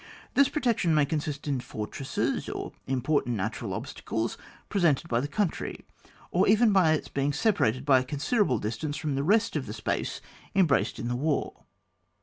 This protection may consist in fortresses, or important natural obstacles presented by the country^ or even in its being sepa rated by a considerable distance from the rest of the space embraced in the war.